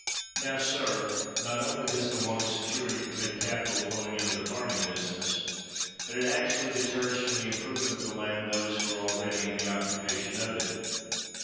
Now, sir, not only does the want of security prevent capital flowing into the farming busi ness, but it actually deters from the improve ment of the land those who are already in the occupation of it.